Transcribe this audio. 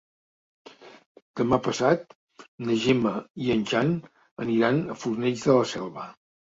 Demà passat na Gemma i en Jan aniran a Fornells de la Selva.